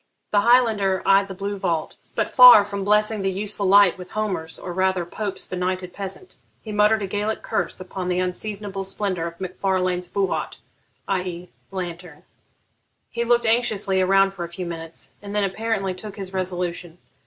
The Highlander eyed the blue vault, but far from blessing the useful light with Homer's, or rather Pope's benighted peasant, he muttered a Gaelic curse upon the unseasonable splendour of Mac Farlane's buat (i.e. lantern) [Footnote: See Note 1]. He looked anxiously around for a few minutes, and then apparently took his resolution.